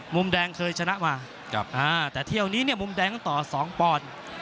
มุมแดงเคยชนะมาครับอ่าแต่เที่ยวนี้เนี้ยมุมแดงต่อสองปอน